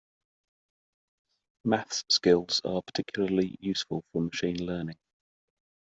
Maths skills are particularly useful for machine learning.